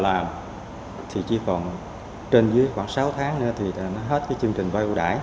làm thì chỉ còn trên dưới khoảng sáu tháng nữa thì nó hết cái chương trình vai vụ đải